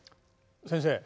先生